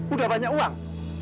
udah banyak uang